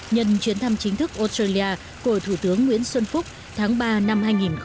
nhân chuyến thăm chính thức australia của thủ tướng nguyễn xuân phúc tháng ba năm hai nghìn một mươi chín